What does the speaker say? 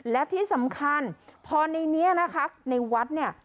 และที่สำคัญพอในนี้นะคะในวัดเนี่ย